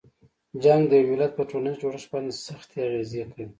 جنګ د یوه ملت په ټولنیز جوړښت باندې سختې اغیزې کوي.